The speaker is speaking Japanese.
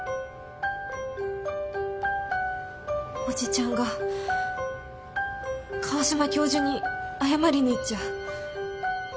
おじちゃんが川島教授に謝りに行っちゃう。